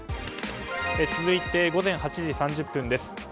続いて午前８時３０分です。